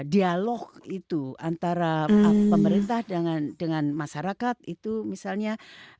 dialog itu antara pemerintah dengan masyarakat itu misalnya